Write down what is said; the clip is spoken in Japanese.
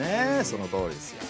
そのとおりですよ。